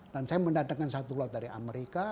dan saya mendatangkan satu lot dari amerika